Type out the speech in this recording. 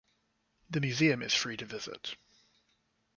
The museum is free to visit.